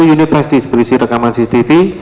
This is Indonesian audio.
satu unit prestis berisi rekaman cctv